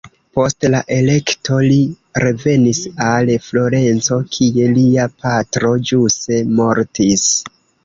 Post la elekto li revenis al Florenco, kie lia patro ĵuse mortis.